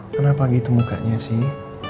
kenapa gitu mukanya sih